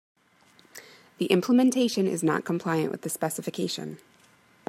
The implementation is not compliant with the specification.